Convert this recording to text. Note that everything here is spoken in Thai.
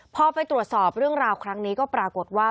พอไปตรวจสอบเรื่องราวครั้งนี้ก็ปรากฏว่า